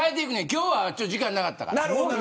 今日は時間なかった。